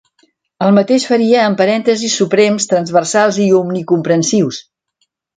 El mateix faria amb parèntesis suprems transversals i omnicomprensius.